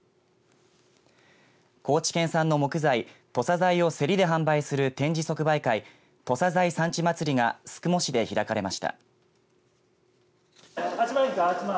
高知県産の木材、土佐材を競りで販売する展示即売会、土佐材産地まつりが宿毛市で開かれました。